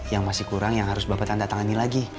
yang masih kurang yang harus bapak tanda tangani lagi